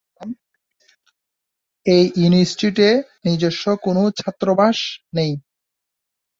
এই ইনস্টিটিউটে নিজস্ব কোনো ছাত্রাবাস নেই।